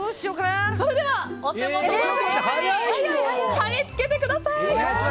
それではお手元のフリップに貼り付けてください！